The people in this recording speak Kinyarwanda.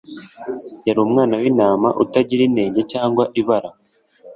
Yari “Umwana w'intama utagira inenge cyangwa ibara.